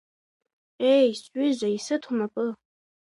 Еи, сҩыза, исыҭ унапы.